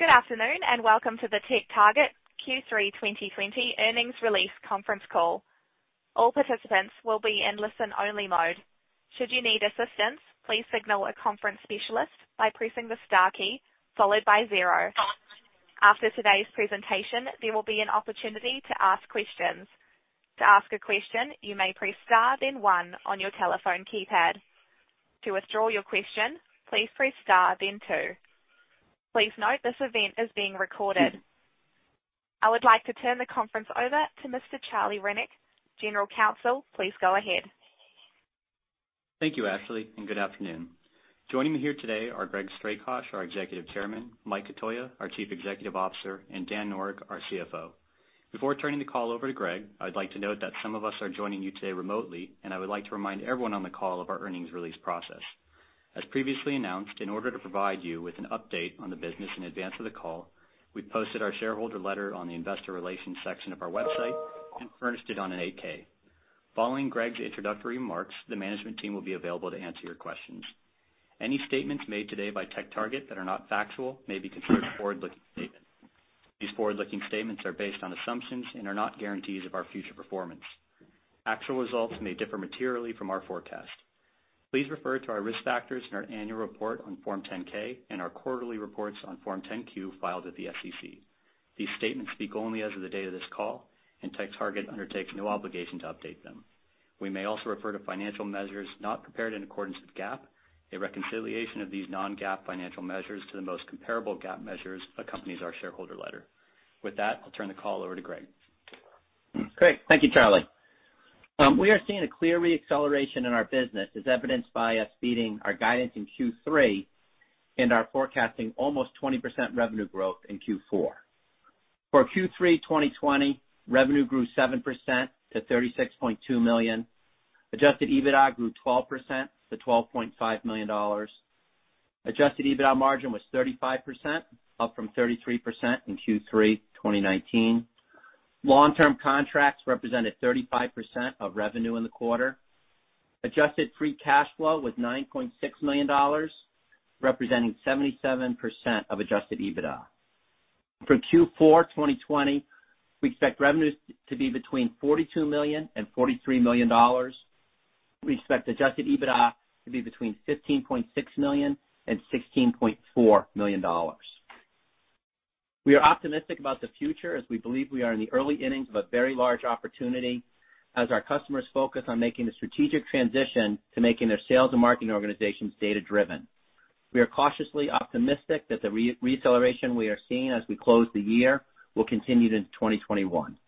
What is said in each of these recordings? Good afternoon and welcome to the TechTarget Q3 2020 Earnings Release Conference Call. All participants will be in listen-only mode. Should you need assistance, please signal a conference specialist by pressing the star key followed by zero. After today's presentation, there will be an opportunity to ask questions. To ask a question, you may press star then one on your telephone keypad. To withdraw your question, please press star then two. Please note this event is being recorded. I would like to turn the conference over to Mr. Charlie Rennick, General Counsel. Please go ahead. Thank you, Ashley, and good afternoon. Joining me here today are Greg Strakosch, our Executive Chairman, Mike Cotoia, our Chief Executive Officer, and Dan Noreck, our CFO. Before turning the call over to Greg, I'd like to note that some of us are joining you today remotely, and I would like to remind everyone on the call of our earnings release process. As previously announced, in order to provide you with an update on the business in advance of the call, we posted our shareholder letter on the investor relations section of our website and furnished it on an 8-K. Following Greg's introductory remarks, the management team will be available to answer your questions. Any statements made today by TechTarget that are not factual may be considered forward-looking statements. These forward-looking statements are based on assumptions and are not guarantees of our future performance. Actual results may differ materially from our forecast. Please refer to our risk factors in our annual report on Form 10-K and our quarterly reports on Form 10-Q filed with the SEC. These statements speak only as of the date of this call, and TechTarget undertakes no obligation to update them. We may also refer to financial measures not prepared in accordance with GAAP. A reconciliation of these non-GAAP financial measures to the most comparable GAAP measures accompanies our shareholder letter. With that, I'll turn the call over to Greg. Great. Thank you, Charlie. We are seeing a clear re-acceleration in our business, as evidenced by us beating our guidance in Q3 and our forecasting almost 20% revenue growth in Q4. For Q3 2020, revenue grew 7% to $36.2 million. Adjusted EBITDA grew 12% to $12.5 million. Adjusted EBITDA margin was 35%, up from 33% in Q3 2019. Long-term contracts represented 35% of revenue in the quarter. Adjusted Free Cash Flow was $9.6 million, representing 77% of adjusted EBITDA. For Q4 2020, we expect revenues to be between $42 million and $43 million. We expect adjusted EBITDA to be between $15.6 million and $16.4 million. We are optimistic about the future as we believe we are in the early innings of a very large opportunity as our customers focus on making a strategic transition to making their sales and marketing organizations data-driven. We are cautiously optimistic that the re-acceleration we are seeing as we close the year will continue into 2021.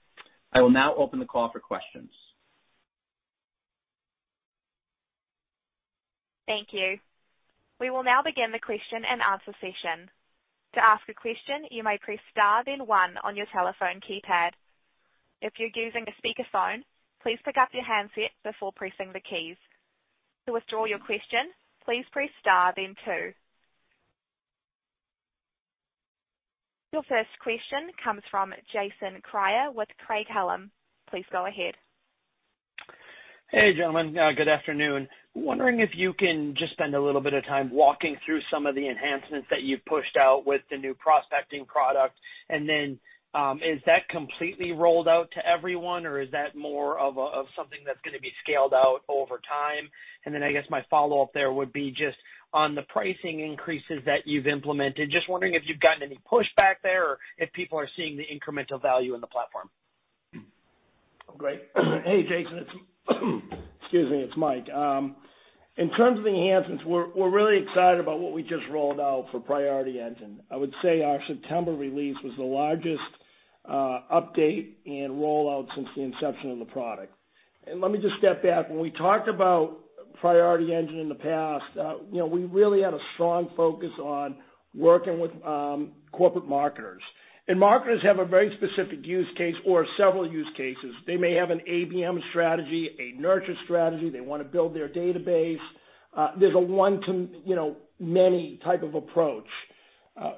I will now open the call for questions. Thank you. We will now begin the question and answer session. To ask a question, you may press star then one on your telephone keypad. If you're using a speakerphone, please pick up your handset before pressing the keys. To withdraw your question, please press star then two. Your first question comes from Jason Kreyer with Craig-Hallum. Please go ahead. Hey, gentlemen. Good afternoon. Wondering if you can just spend a little bit of time walking through some of the enhancements that you've pushed out with the new prospecting product? And then, is that completely rolled out to everyone, or is that more of something that's going to be scaled out over time? And then, I guess my follow-up there would be just on the pricing increases that you've implemented, just wondering if you've gotten any pushback there or if people are seeing the incremental value in the platform? Great. Hey, Jason. Excuse me. It's Mike. In terms of the enhancements, we're really excited about what we just rolled out for Priority Engine. I would say our September release was the largest update and rollout since the inception of the product. And let me just step back. When we talked about Priority Engine in the past, we really had a strong focus on working with corporate marketers. And marketers have a very specific use case or several use cases. They may have an ABM strategy, a nurture strategy. They want to build their database. There's a one-to-many type of approach.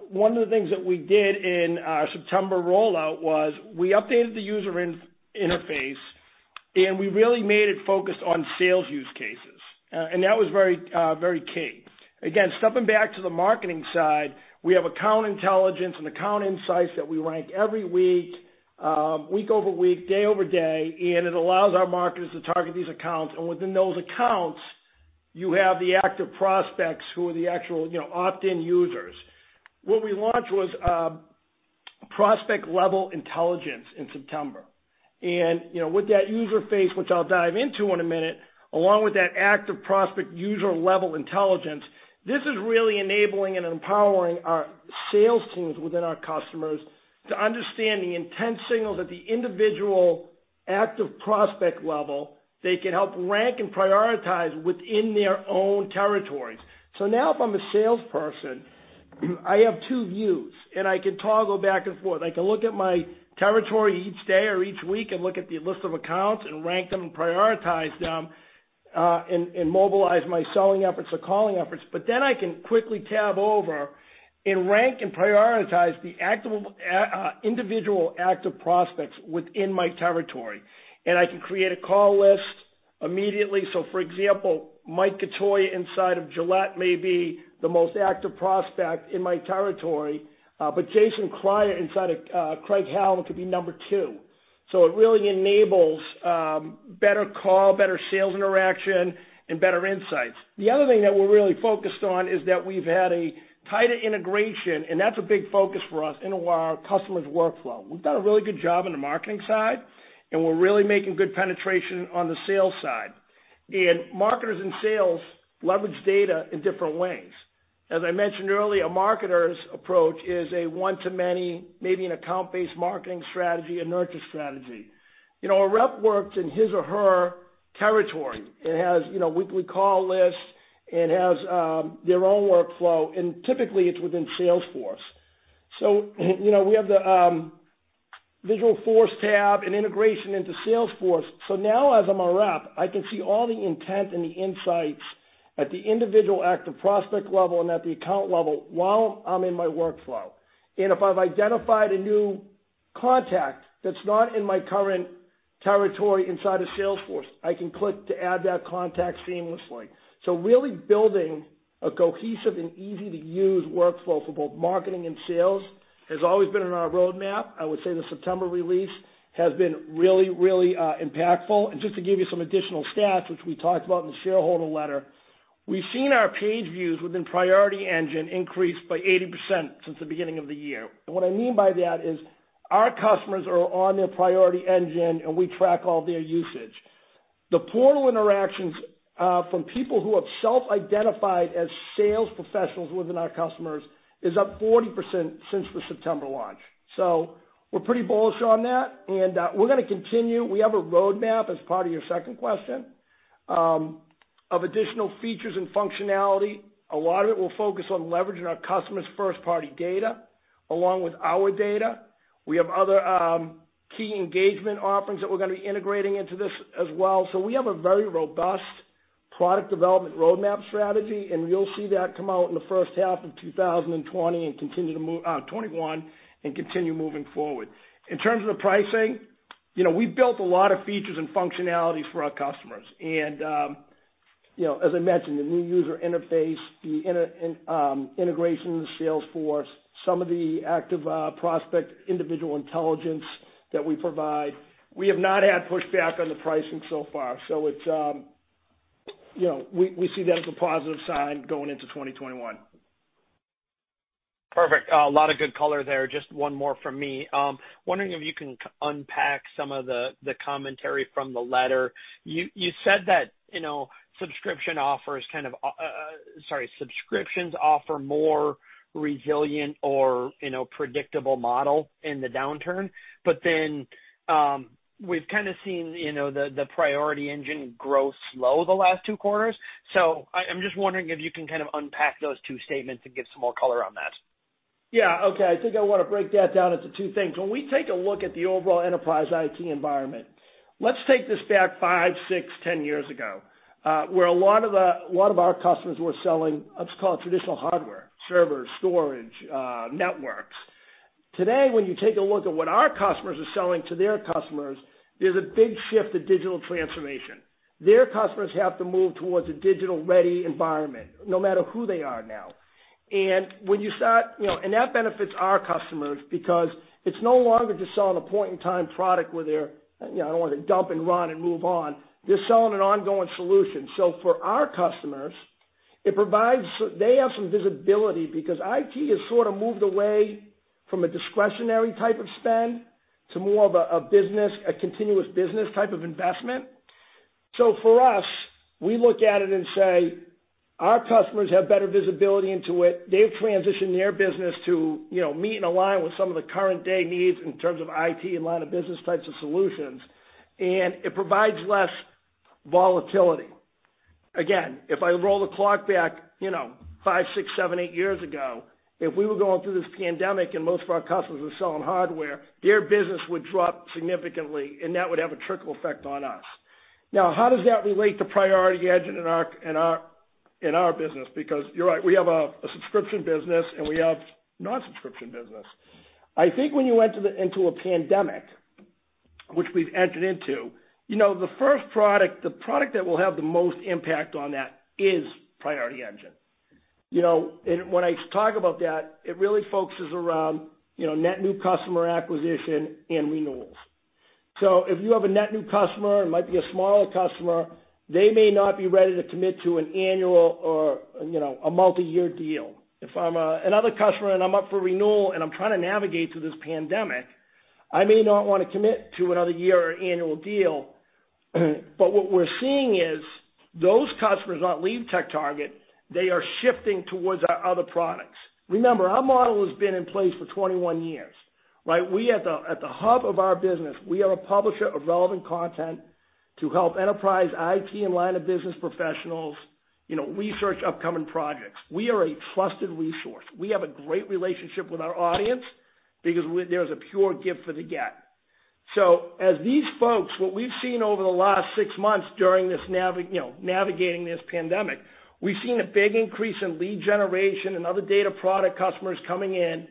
One of the things that we did in our September rollout was we updated the user interface, and we really made it focused on sales use cases. And that was very key. Again, stepping back to the marketing side, we have account intelligence and account insights that we rank every week, week over week, day over day, and it allows our marketers to target these accounts. And within those accounts, you have the active prospects who are the actual opt-in users. What we launched was prospect-level intelligence in September. And with that user interface, which I'll dive into in a minute, along with that active prospect user-level intelligence, this is really enabling and empowering our sales teams within our customers to understand the intent signals at the individual active prospect level. They can help rank and prioritize within their own territories. So now, if I'm a salesperson, I have two views, and I can toggle back and forth. I can look at my territory each day or each week and look at the list of accounts and rank them and prioritize them and mobilize my selling efforts or calling efforts. But then I can quickly tab over and rank and prioritize the individual active prospects within my territory. And I can create a call list immediately. So, for example, Mike Cotoia inside of Gillette may be the most active prospect in my territory, but Jason Kreyer inside of Craig-Hallum Capital Group could be number two. So it really enables better call, better sales interaction, and better insights. The other thing that we're really focused on is that we've had a tighter integration, and that's a big focus for us in our customers' workflow. We've done a really good job on the marketing side, and we're really making good penetration on the sales side. Marketers and sales leverage data in different ways. As I mentioned earlier, a marketer's approach is a one-to-many, maybe an account-based marketing strategy, a nurture strategy. A rep works in his or her territory and has weekly call lists and has their own workflow. Typically, it's within Salesforce. We have the Visualforce tab and integration into Salesforce. Now, as I'm a rep, I can see all the intent and the insights at the individual active prospect level and at the account level while I'm in my workflow. If I've identified a new contact that's not in my current territory inside of Salesforce, I can click to add that contact seamlessly. Really building a cohesive and easy-to-use workflow for both marketing and sales has always been on our roadmap. I would say the September release has been really, really impactful. Just to give you some additional stats, which we talked about in the shareholder letter, we've seen our page views within Priority Engine increase by 80% since the beginning of the year. What I mean by that is our customers are on their Priority Engine, and we track all their usage. The portal interactions from people who have self-identified as sales professionals within our customers is up 40% since the September launch. We're pretty bullish on that, and we're going to continue. We have a roadmap as part of your second question of additional features and functionality. A lot of it will focus on leveraging our customers' first-party data along with our data. We have other key engagement offerings that we're going to be integrating into this as well. So we have a very robust product development roadmap strategy, and you'll see that come out in the first half of 2021 and continue moving forward. In terms of the pricing, we've built a lot of features and functionalities for our customers. And as I mentioned, the new user interface, the integration in Salesforce, some of the active prospect individual intelligence that we provide, we have not had pushback on the pricing so far. So we see that as a positive sign going into 2021. Perfect. A lot of good color there. Just one more from me. Wondering if you can unpack some of the commentary from the letter. You said that subscription offers kind of - sorry, subscriptions offer more resilient or predictable model in the downturn. But then we've kind of seen the Priority Engine growth slow the last two quarters. So I'm just wondering if you can kind of unpack those two statements and give some more color on that. Yeah. Okay. I think I want to break that down into two things. When we take a look at the overall enterprise IT environment, let's take this back five, six, 10 years ago where a lot of our customers were selling, let's call it traditional hardware: servers, storage, networks. Today, when you take a look at what our customers are selling to their customers, there's a big shift to digital transformation. Their customers have to move towards a digital-ready environment no matter who they are now. And that benefits our customers because it's no longer just selling a point-in-time product where they're, I don't want to dump and run and move on. They're selling an ongoing solution. So for our customers, they have some visibility because IT has sort of moved away from a discretionary type of spend to more of a continuous business type of investment. So for us, we look at it and say our customers have better visibility into it. They've transitioned their business to meet and align with some of the current-day needs in terms of IT and line-of-business types of solutions, and it provides less volatility. Again, if I roll the clock back five, six, seven, eight years ago, if we were going through this pandemic and most of our customers were selling hardware, their business would drop significantly, and that would have a trickle effect on us. Now, how does that relate to Priority Engine in our business? Because you're right. We have a subscription business, and we have non-subscription business. I think when you enter into a pandemic, which we've entered into, the first product, the product that will have the most impact on that is Priority Engine. And when I talk about that, it really focuses around net new customer acquisition and renewals. So if you have a net new customer, it might be a smaller customer, they may not be ready to commit to an annual or a multi-year deal. If I'm another customer and I'm up for renewal and I'm trying to navigate through this pandemic, I may not want to commit to another year or annual deal. But what we're seeing is those customers not leave TechTarget. They are shifting towards our other products. Remember, our model has been in place for 21 years, right? We are at the hub of our business. We are a publisher of relevant content to help enterprise IT and line-of-business professionals research upcoming projects. We are a trusted resource. We have a great relationship with our audience because there is a pure give for the get. So, as these folks, what we've seen over the last six months during navigating this pandemic, we've seen a big increase in lead generation and other data product customers coming in.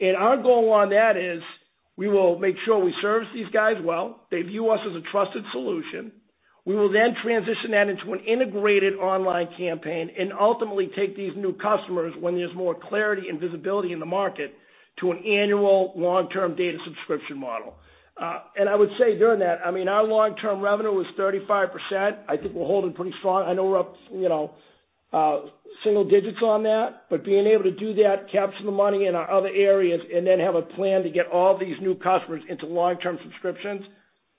And our goal on that is we will make sure we service these guys well. They view us as a trusted solution. We will then transition that into an integrated online campaign and ultimately take these new customers when there's more clarity and visibility in the market to an annual long-term data subscription model. And I would say during that, I mean, our long-term revenue was 35%. I think we're holding pretty strong. I know we're up single digits on that. But being able to do that, capture the money in our other areas, and then have a plan to get all these new customers into long-term subscriptions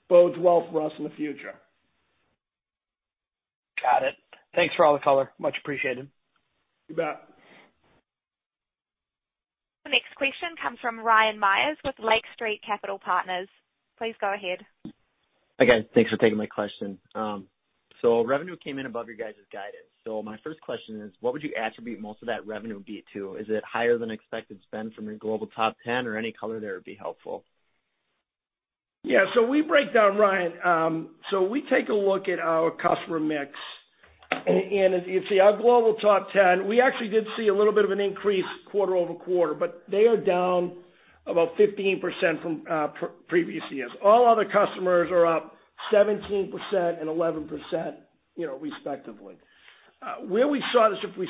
bodes well for us in the future. Got it. Thanks for all the color. Much appreciated. You bet. The next question comes from Ryan Meyers with Lake Street Capital Partners. Please go ahead. Again, thanks for taking my question. So revenue came in above your guys' guidance. So my first question is, what would you attribute most of that revenue be to? Is it higher than expected spend from your global top 10, or any color there would be helpful? Yeah. So we break down, Ryan. So we take a look at our customer mix. And as you see, our global top 10, we actually did see a little bit of an increase quarter over quarter, but they are down about 15% from previous years. All other customers are up 17% and 11% respectively. Where we saw this,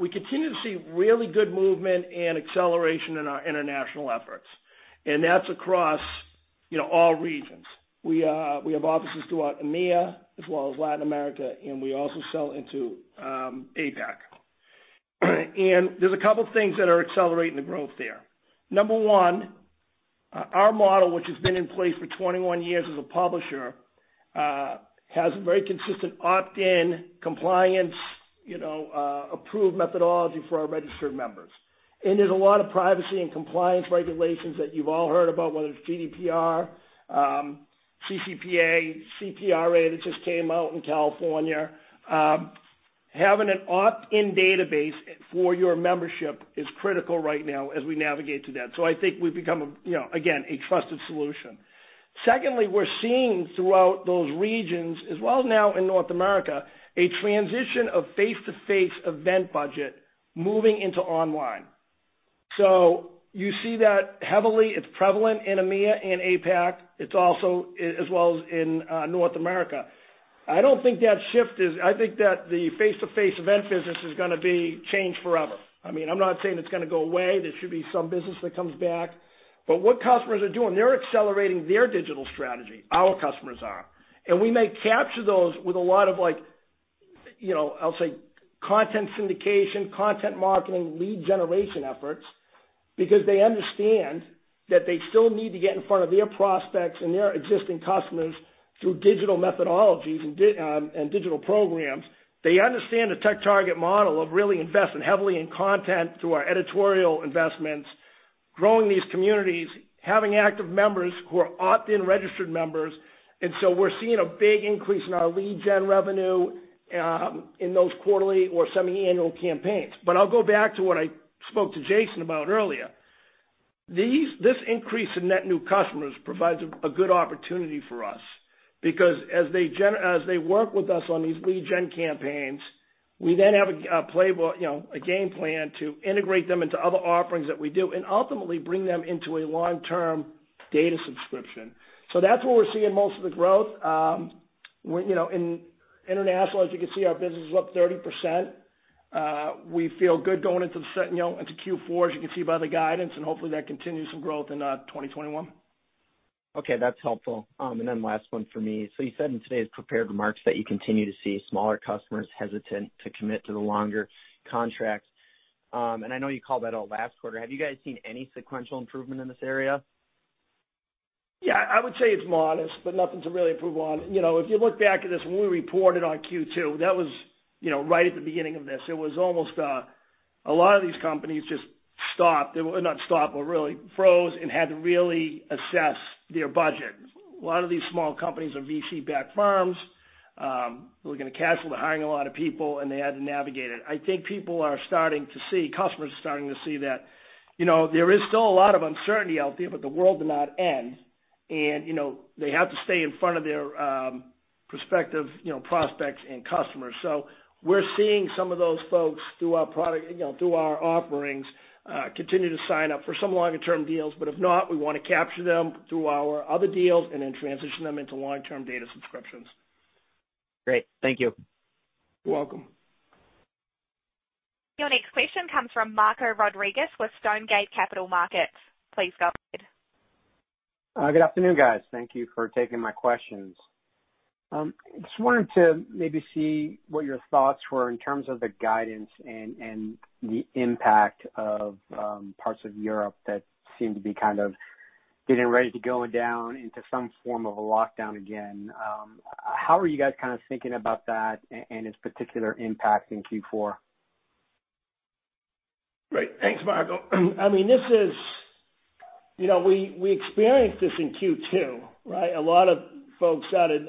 we continued to see really good movement and acceleration in our international efforts. And that's across all regions. We have offices throughout EMEA as well as Latin America, and we also sell into APAC. And there's a couple of things that are accelerating the growth there. Number one, our model, which has been in place for 21 years as a publisher, has a very consistent opt-in compliance approved methodology for our registered members. And there's a lot of privacy and compliance regulations that you've all heard about, whether it's GDPR, CCPA, CPRA that just came out in California. Having an opt-in database for your membership is critical right now as we navigate through that. So I think we've become, again, a trusted solution. Secondly, we're seeing throughout those regions, as well as now in North America, a transition of face-to-face event budget moving into online. So you see that heavily. It's prevalent in EMEA and APAC, as well as in North America. I don't think that shift is. I think that the face-to-face event business is going to change forever. I mean, I'm not saying it's going to go away. There should be some business that comes back. But what customers are doing, they're accelerating their digital strategy. Our customers are. We may capture those with a lot of, I'll say, content syndication, content marketing, lead generation efforts because they understand that they still need to get in front of their prospects and their existing customers through digital methodologies and digital programs. They understand the TechTarget model of really investing heavily in content through our editorial investments, growing these communities, having active members who are opt-in registered members. We're seeing a big increase in our lead gen revenue in those quarterly or semi-annual campaigns. I'll go back to what I spoke to Jason about earlier. This increase in net new customers provides a good opportunity for us because as they work with us on these lead gen campaigns, we then have a playbook, a game plan to integrate them into other offerings that we do and ultimately bring them into a long-term data subscription. So that's where we're seeing most of the growth. In international, as you can see, our business is up 30%. We feel good going into Q4, as you can see by the guidance, and hopefully that continues some growth in 2021. Okay. That's helpful. And then last one for me. So you said in today's prepared remarks that you continue to see smaller customers hesitant to commit to the longer contracts. And I know you called that out last quarter. Have you guys seen any sequential improvement in this area? Yeah. I would say it's modest, but nothing to really improve on. If you look back at this when we reported on Q2, that was right at the beginning of this. It was almost a lot of these companies just stopped - not stopped, but really froze and had to really assess their budget. A lot of these small companies are VC-backed firms. They're looking to cash flow, they're hiring a lot of people, and they had to navigate it. I think people are starting to see - customers are starting to see that there is still a lot of uncertainty out there, but the world did not end. And they have to stay in front of their prospects and customers. So we're seeing some of those folks through our product, through our offerings, continue to sign up for some longer-term deals. But if not, we want to capture them through our other deals and then transition them into long-term data subscriptions. Great. Thank you. You're welcome. Your next question comes from Marco Rodriguez with Stonegate Capital Markets. Please go ahead. Good afternoon, guys. Thank you for taking my questions. Just wanted to maybe see what your thoughts were in terms of the guidance and the impact of parts of Europe that seem to be kind of getting ready to go down into some form of a lockdown again. How are you guys kind of thinking about that and its particular impact in Q4? Great. Thanks, Marco. I mean, this is we experienced this in Q2, right? A lot of folks started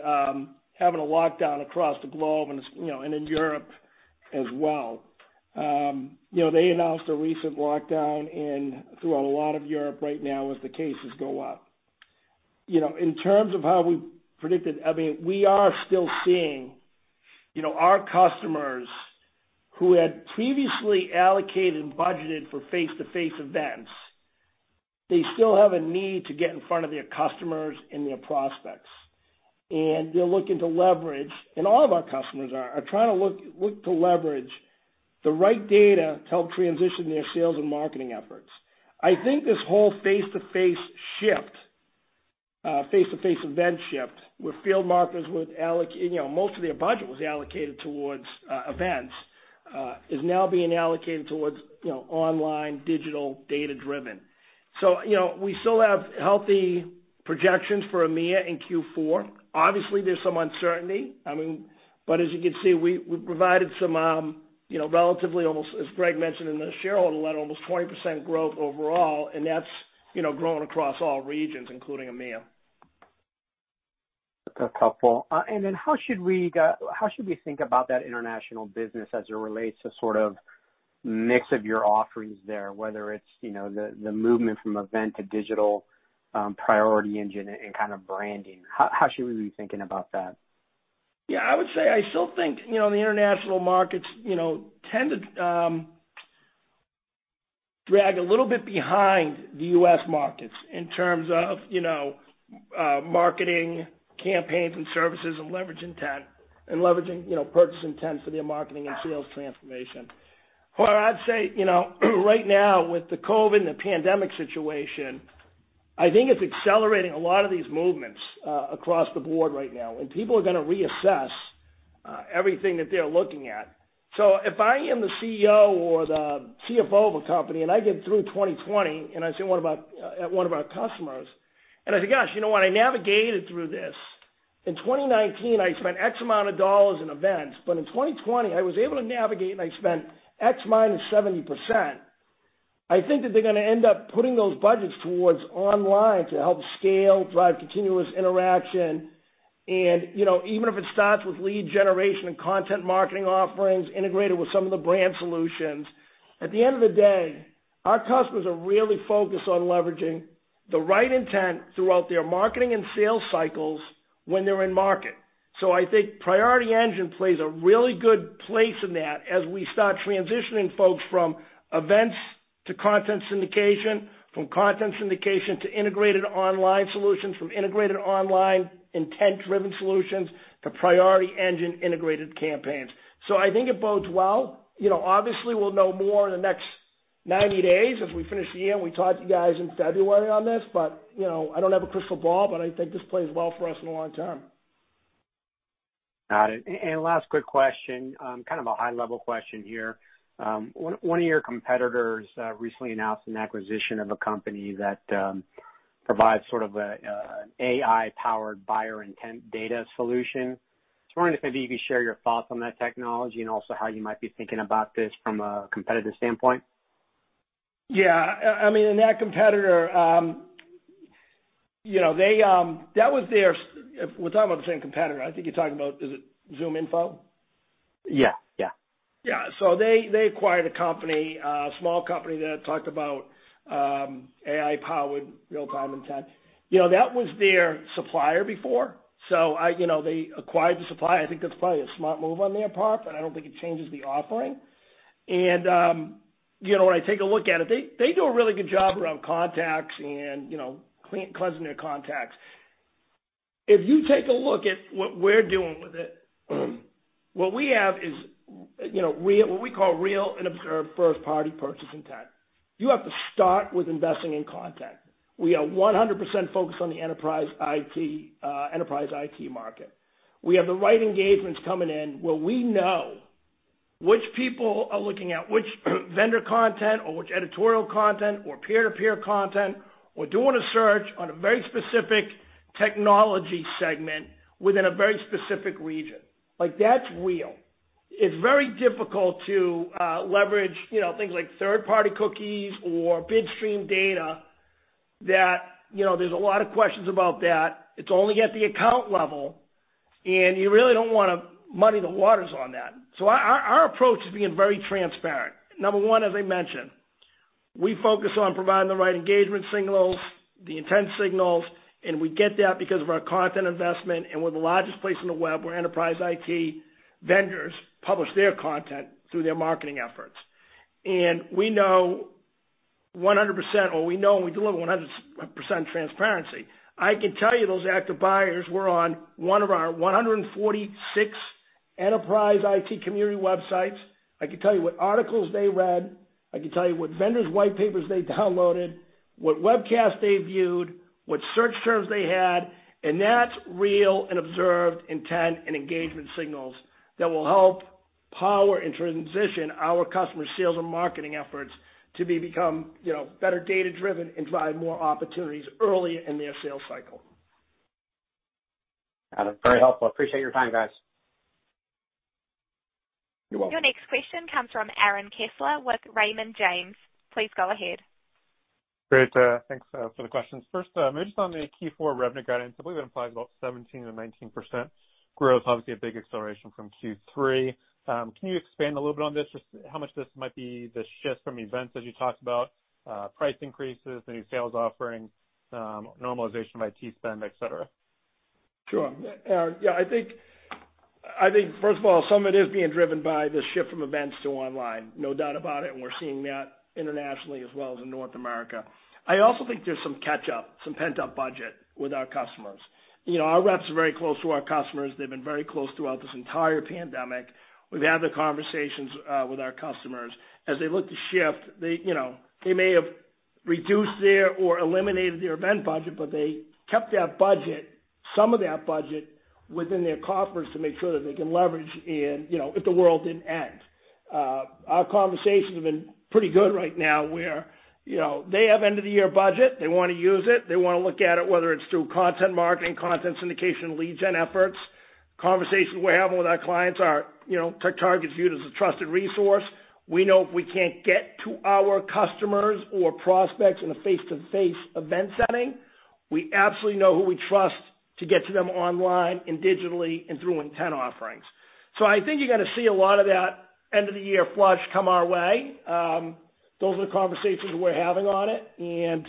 having a lockdown across the globe and in Europe as well. They announced a recent lockdown throughout a lot of Europe right now as the cases go up. In terms of how we predicted, I mean, we are still seeing our customers who had previously allocated and budgeted for face-to-face events, they still have a need to get in front of their customers and their prospects. And they're looking to leverage, and all of our customers are trying to look to leverage the right data to help transition their sales and marketing efforts. I think this whole face-to-face shift, face-to-face event shift where field marketers would allocate most of their budget was allocated towards events is now being allocated towards online, digital, data-driven. So we still have healthy projections for EMEA in Q4. Obviously, there's some uncertainty. I mean, but as you can see, we provided some relatively almost, as Greg mentioned in the shareholder letter, almost 20% growth overall, and that's growing across all regions, including EMEA. That's helpful. And then how should we think about that international business as it relates to sort of mix of your offerings there, whether it's the movement from event to digital Priority Engine and kind of branding? How should we be thinking about that? Yeah. I would say I still think the international markets tend to drag a little bit behind the U.S. markets in terms of marketing campaigns and services and leverage intent and leveraging purchase intent for their marketing and sales transformation. Or I'd say right now, with the COVID and the pandemic situation, I think it's accelerating a lot of these movements across the board right now. And people are going to reassess everything that they're looking at. So if I am the CEO or the CFO of a company and I get through 2020 and I say, "What about one of our customers?" And I say, "Gosh, you know what? I navigated through this. In 2019, I spent X amount of dollars in events. But in 2020, I was able to navigate and I spent X minus 70%." I think that they're going to end up putting those budgets towards online to help scale, drive continuous interaction. And even if it starts with lead generation and content marketing offerings integrated with some of the brand solutions, at the end of the day, our customers are really focused on leveraging the right intent throughout their marketing and sales cycles when they're in market. So I think Priority Engine plays a really good place in that as we start transitioning folks from events to content syndication, from content syndication to integrated online solutions, from integrated online intent-driven solutions to Priority Engine integrated campaigns. So I think it bodes well. Obviously, we'll know more in the next 90 days as we finish the year and we talk to you guys in February on this. But I don't have a crystal ball, but I think this plays well for us in the long term. Got it. And last quick question, kind of a high-level question here. One of your competitors recently announced an acquisition of a company that provides sort of an AI-powered buyer intent data solution. So I wanted to maybe share your thoughts on that technology and also how you might be thinking about this from a competitive standpoint? Yeah. I mean, in that competitor, that was their, we're talking about the same competitor. I think you're talking about, is it ZoomInfo? Yeah. Yeah. Yeah. So they acquired a company, a small company that talked about AI-powered real-time intent. That was their supplier before. So they acquired the supply. I think that's probably a smart move on their part, but I don't think it changes the offering. And when I take a look at it, they do a really good job around contacts and cleansing their contacts. If you take a look at what we're doing with it, what we have is what we call real and observed first-party purchase intent. You have to start with investing in content. We are 100% focused on the enterprise IT market. We have the right engagements coming in where we know which people are looking at which vendor content or which editorial content or peer-to-peer content. We're doing a search on a very specific technology segment within a very specific region. That's real. It's very difficult to leverage things like third-party cookies or bidstream data. There's a lot of questions about that. It's only at the account level, and you really don't want to muddy the waters on that. So our approach is being very transparent. Number one, as I mentioned, we focus on providing the right engagement signals, the intent signals, and we get that because of our content investment. And we're the largest place on the web where enterprise IT vendors publish their content through their marketing efforts. And we know 100%, or we know and we deliver 100% transparency. I can tell you those active buyers were on one of our 146 enterprise IT community websites. I can tell you what articles they read. I can tell you what vendors' white papers they downloaded, what webcasts they viewed, what search terms they had. That's real and observed intent and engagement signals that will help power and transition our customers' sales and marketing efforts to become better data-driven and drive more opportunities early in their sales cycle. Got it. Very helpful. Appreciate your time, guys. You're welcome. Your next question comes from Aaron Kessler with Raymond James. Please go ahead. Great. Thanks for the questions. First, maybe just on the Q4 revenue guidance, I believe it implies about 17%-19% growth, obviously a big acceleration from Q3. Can you expand a little bit on this, just how much this might be the shift from events, as you talked about, price increases, the new sales offering, normalization of IT spend, etc.? Sure. Yeah. I think, first of all, some of it is being driven by the shift from events to online. No doubt about it. And we're seeing that internationally as well as in North America. I also think there's some catch-up, some pent-up budget with our customers. Our reps are very close to our customers. They've been very close throughout this entire pandemic. We've had the conversations with our customers. As they look to shift, they may have reduced their, or eliminated their event budget, but they kept some of that budget within their coffers to make sure that they can leverage it if the world didn't end. Our conversations have been pretty good right now where they have end-of-the-year budget. They want to use it. They want to look at it, whether it's through content marketing, content syndication, lead gen efforts. Conversations we're having with our clients are TechTarget viewed as a trusted resource. We know if we can't get to our customers or prospects in a face-to-face event setting, we absolutely know who we trust to get to them online and digitally and through intent offerings. So I think you're going to see a lot of that end-of-the-year flush come our way. Those are the conversations we're having on it. And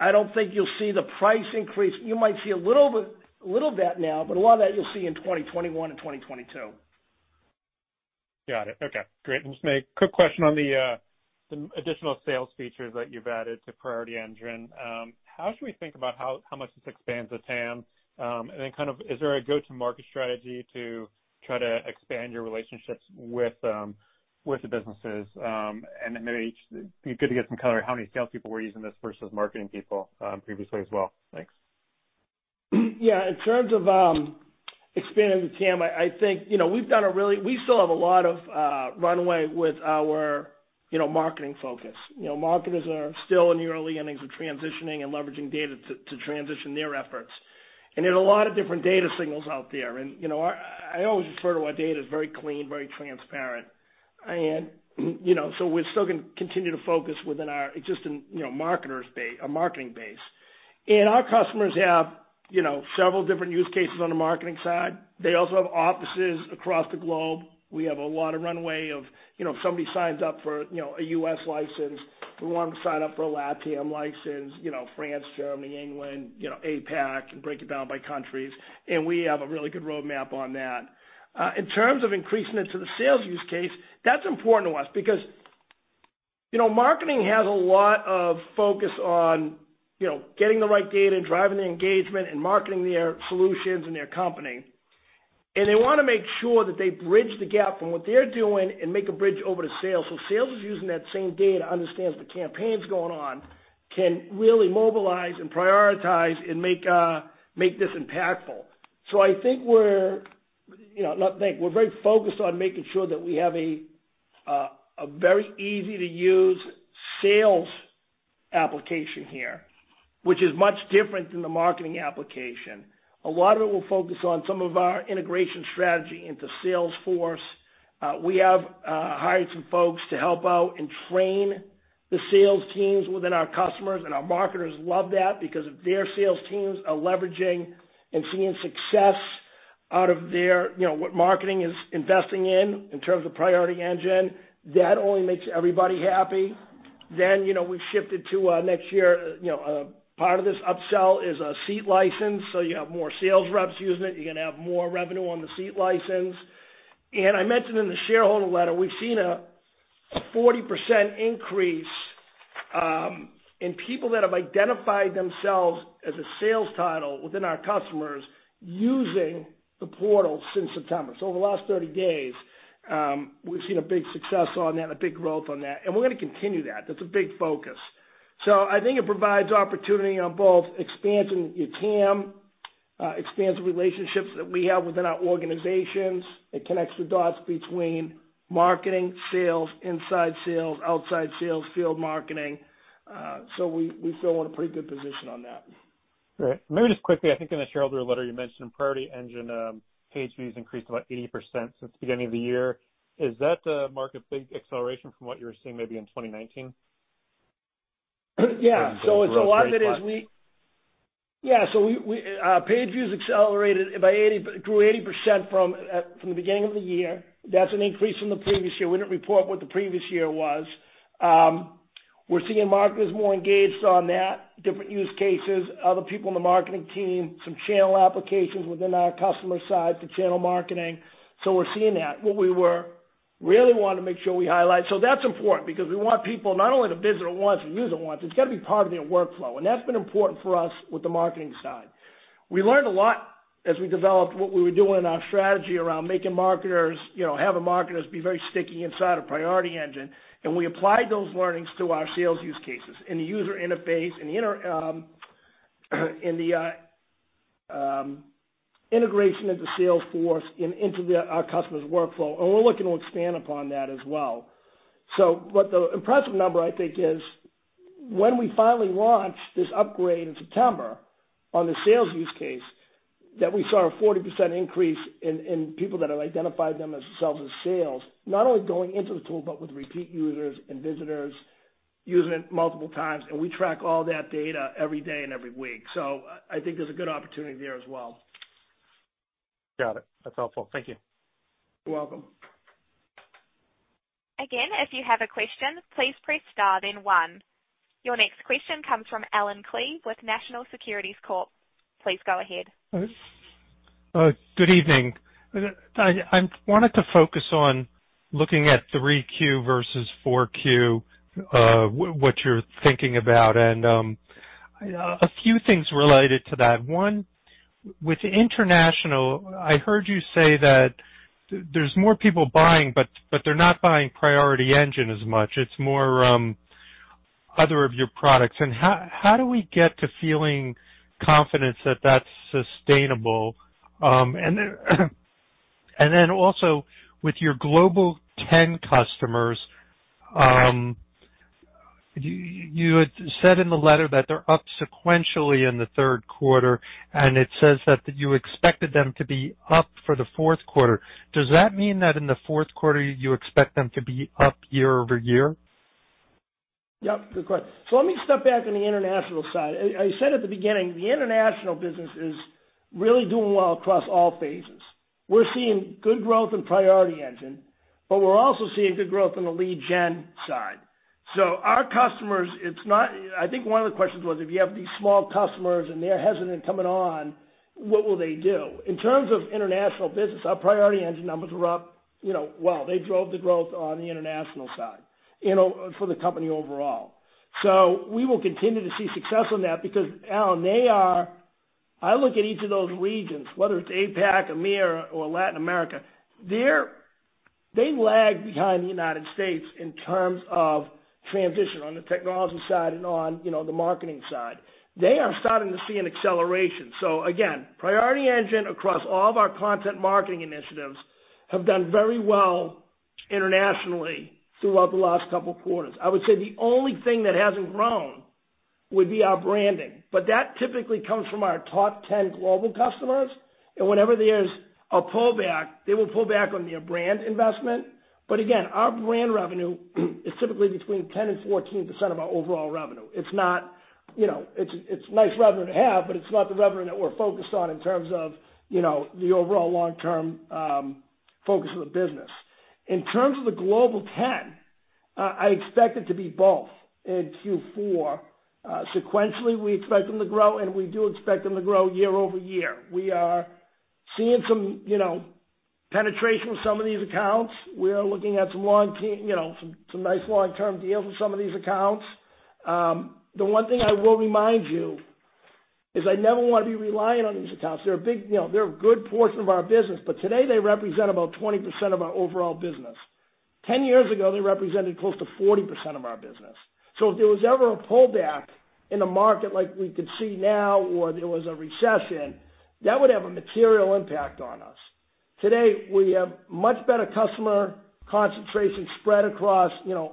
I don't think you'll see the price increase. You might see a little of that now, but a lot of that you'll see in 2021 and 2022. Got it. Okay. Great. Just maybe a quick question on the additional sales features that you've added to Priority Engine. How should we think about how much this expands the TAM? And then kind of is there a go-to-market strategy to try to expand your relationships with the businesses? And then maybe it'd be good to get some color on how many salespeople were using this versus marketing people previously as well. Thanks. Yeah. In terms of expanding the TAM, I think we still have a lot of runway with our marketing focus. Marketers are still in the early innings of transitioning and leveraging data to transition their efforts. There are a lot of different data signals out there. I always refer to our data as very clean, very transparent, so we're still going to continue to focus within our marketing base. Our customers have several different use cases on the marketing side. They also have offices across the globe. We have a lot of runway of if somebody signs up for a U.S. license, we want them to sign up for a LatAm license, France, Germany, England, APAC, and break it down by countries, and we have a really good roadmap on that. In terms of increasing it to the sales use case, that's important to us because marketing has a lot of focus on getting the right data and driving the engagement and marketing their solutions and their company, and they want to make sure that they bridge the gap from what they're doing and make a bridge over to sales, so sales is using that same data to understand what the campaign's going on, can really mobilize and prioritize and make this impactful, so I think we're very focused on making sure that we have a very easy-to-use sales application here, which is much different than the marketing application. A lot of it will focus on some of our integration strategy into Salesforce. We have hired some folks to help out and train the sales teams within our customers. Our marketers love that because if their sales teams are leveraging and seeing success out of what marketing is investing in terms of Priority Engine, that only makes everybody happy. We shifted to next year. Part of this upsell is a seat license. You have more sales reps using it. You're going to have more revenue on the seat license. I mentioned in the shareholder letter, we've seen a 40% increase in people that have identified themselves as a sales title within our customers using the portal since September. Over the last 30 days, we've seen a big success on that and a big growth on that. We're going to continue that. That's a big focus. So I think it provides opportunity on both expanding your TAM, expanding relationships that we have within our organizations, and connect the dots between marketing, sales, inside sales, outside sales, field marketing, so we feel we're in a pretty good position on that. Great. Maybe just quickly, I think in the shareholder letter you mentioned Priority Engine page views increased about 80% since the beginning of the year. Is that a mark of big acceleration from what you were seeing maybe in 2019? Yeah. So it's a lot that is, yeah. So page views grew 80% from the beginning of the year. That's an increase from the previous year. We didn't report what the previous year was. We're seeing marketers more engaged on that, different use cases, other people on the marketing team, some channel applications within our customer side for channel marketing. So we're seeing that. What we really want to make sure we highlight. So that's important because we want people not only to visit it once and use it once. It's got to be part of their workflow. And that's been important for us with the marketing side. We learned a lot as we developed what we were doing in our strategy around making marketers have marketers be very sticky inside of Priority Engine. And we applied those learnings to our sales use cases in the user interface and the integration into Salesforce and into our customers' workflow. And we're looking to expand upon that as well. So the impressive number, I think, is when we finally launched this upgrade in September on the sales use case that we saw a 40% increase in people that have identified themselves as sales, not only going into the tool but with repeat users and visitors using it multiple times. And we track all that data every day and every week. So I think there's a good opportunity there as well. Got it. That's helpful. Thank you. You're welcome. Again, if you have a question, please press star then one. Your next question comes from Allen Klee with National Securities Corp. Please go ahead. Good evening. I wanted to focus on looking at 3Q versus 4Q, what you're thinking about, and a few things related to that. One, with the international, I heard you say that there's more people buying, but they're not buying Priority Engine as much. It's more of your other products. And how do we get to feeling confident that that's sustainable? And then also with your global top 10 customers, you had said in the letter that they're up sequentially in the third quarter, and it says that you expected them to be up for the fourth quarter. Does that mean that in the fourth quarter, you expect them to be up year-over-year? Yep. Good question, so let me step back on the international side. I said at the beginning, the international business is really doing well across all phases. We're seeing good growth in Priority Engine, but we're also seeing good growth on the lead gen side, so our customers, I think one of the questions was, if you have these small customers and they're hesitant coming on, what will they do? In terms of international business, our Priority Engine numbers were up well. They drove the growth on the international side for the company overall, so we will continue to see success on that because, Allen, I look at each of those regions, whether it's APAC, America, or Latin America, they lag behind the United States in terms of transition on the technology side and on the marketing side. They are starting to see an acceleration. So again, Priority Engine across all of our content marketing initiatives have done very well internationally throughout the last couple of quarters. I would say the only thing that hasn't grown would be our branding. But that typically comes from our top 10 global customers. And whenever there's a pullback, they will pull back on their brand investment. But again, our brand revenue is typically between 10%-14% of our overall revenue. It's nice revenue to have, but it's not the revenue that we're focused on in terms of the overall long-term focus of the business. In terms of the global 10, I expect it to be both in Q4. Sequentially, we expect them to grow, and we do expect them to grow year-over-year. We are seeing some penetration with some of these accounts. We are looking at some nice long-term deals with some of these accounts. The one thing I will remind you is I never want to be reliant on these accounts. They're a good portion of our business, but today they represent about 20% of our overall business. 10 years ago, they represented close to 40% of our business. So if there was ever a pullback in a market like we could see now or there was a recession, that would have a material impact on us. Today, we have much better customer concentration spread across the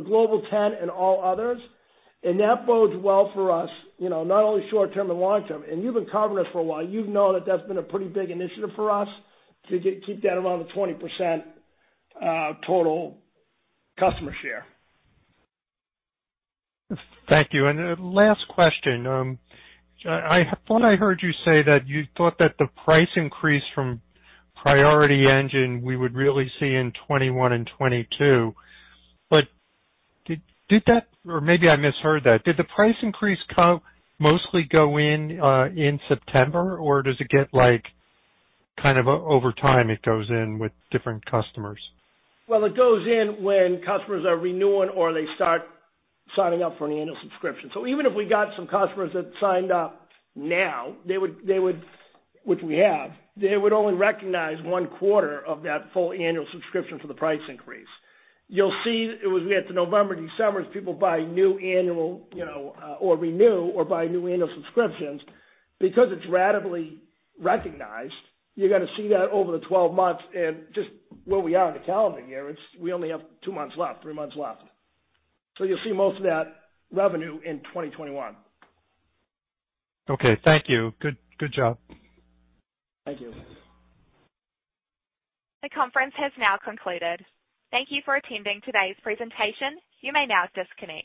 global 10 and all others. And that bodes well for us, not only short-term and long-term. And you've been covering us for a while. You've known that that's been a pretty big initiative for us to keep that around the 20% total customer share. Thank you. And last question. I thought I heard you say that you thought that the price increase from Priority Engine we would really see in 2021 and 2022. But did that, or maybe I misheard that. Did the price increase mostly go in in September, or does it get kind of over time it goes in with different customers? It goes in when customers are renewing or they start signing up for an annual subscription. So even if we got some customers that signed up now, which we have, they would only recognize one quarter of that full annual subscription for the price increase. You'll see it was we had the November, December as people buy new annual or renew or buy new annual subscriptions. Because it's ratably recognized, you're going to see that over the 12 months and just where we are in the calendar year. We only have two months left, three months left. So you'll see most of that revenue in 2021. Okay. Thank you. Good job. Thank you. The conference has now concluded. Thank you for attending today's presentation. You may now disconnect.